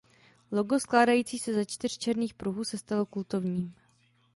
Logo skládající se ze čtyř černých pruhů se stalo kultovním.